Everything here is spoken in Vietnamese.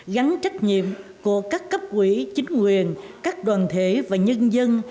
gắn trách nhiệm của các cấp quỹ chính quyền các đoàn thể và nhân dân